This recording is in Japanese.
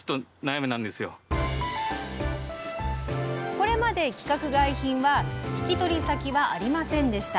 これまで、規格外品は引き取り先はありませんでした。